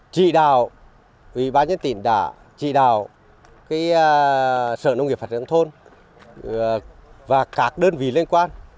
chỉ đạo ubnd tỉnh đã chỉ đạo sở nông nghiệp phát triển thôn và các đơn vị liên quan